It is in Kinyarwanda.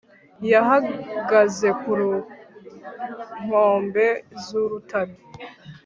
Yahagaze ku nkombe zurutare